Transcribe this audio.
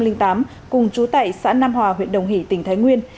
từ năm hai nghìn tám cùng chú tại xã nam hòa huyện đồng hỷ tỉnh thái nguyên